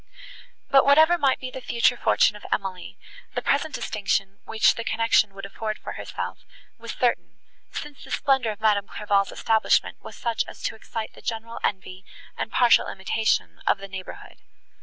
But, whatever might be the future fortune of Emily, the present distinction, which the connection would afford for herself, was certain, since the splendour of Madame Clairval's establishment was such as to excite the general envy and partial imitation of the neighbourhood.